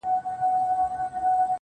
په دې سړي خو يې چې نوم د جنکو ايښے وی